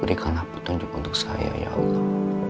berikanlah petunjuk untuk saya ya allah